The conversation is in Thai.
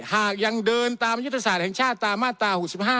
หากยังเดินตามยุทธศาสตร์แห่งชาติตามมาตรา๖๕